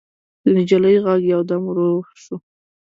د نجلۍ غږ يودم ورو شو.